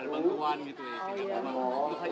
ada bantuan gitu